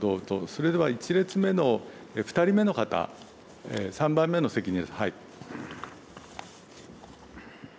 それでは１列目の２人目の方、３番目の席に。